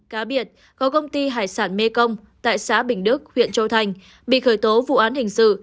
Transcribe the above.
cá biệt có công ty hải sản mê công tại xã bình đức huyện châu thành bị khởi tố vụ án hình sự